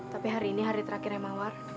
tapi hari ini hari terakhir ya mawar